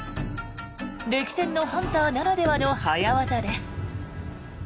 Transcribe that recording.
歴戦のハンターならではの早業です。